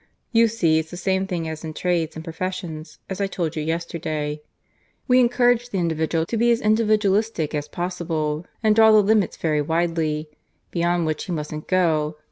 You see it's the same thing as in trades and professions, as I told you yesterday. We encourage the individual to be as individualistic as possible, and draw the limits very widely, beyond which he mustn't go.